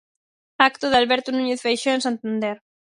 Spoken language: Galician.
Acto de Alberto Núñez Feixóo en Santander.